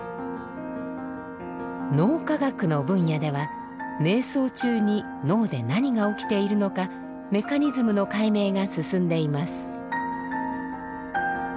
脳科学の分野では瞑想中に脳で何が起きているのかメカニズムの解明が進んでいます。